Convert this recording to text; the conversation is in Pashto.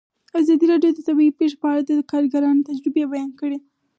ازادي راډیو د طبیعي پېښې په اړه د کارګرانو تجربې بیان کړي.